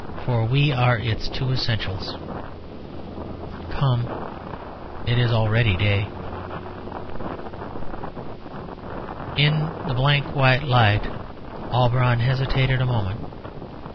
For we are its two essentials. Come, it is already day." In the blank white light Auberon hesitated a moment.